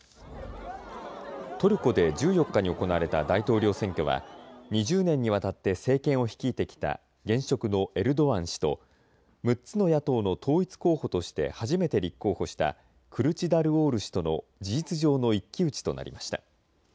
トルコで１４日に行われた大統領選挙は２０年にわたって政権を率いてきた現職のエルドアン氏と６つの野党の統一候補として初めて立候補したクルチダルオール氏との事実上の一騎打ちとなりました。